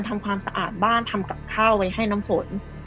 ทำความสะอาดบ้านทำกับข้าวไว้ให้น้ำฝน